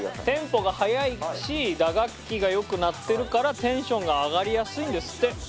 テンポが速いし打楽器がよく鳴ってるからテンションが上がりやすいんですって。